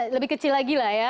lebih kecil lagi lah ya